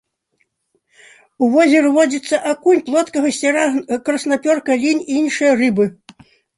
У возеры водзяцца акунь, плотка, гусцяра, краснапёрка, лінь і іншыя рыбы.